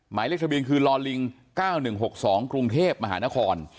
หมายเลขทะเบียนคือลอลิง๙๑๖๒กรุงเทพมหานคร